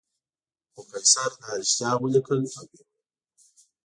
خو قیصر دا رښتیا ولیکل او وویل.